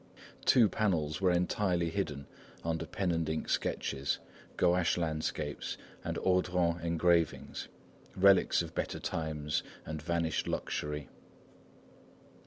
Two panels were entirely hidden under pen and ink sketches, Gouache landscapes and Audran engravings, relics of better times and vanished luxury.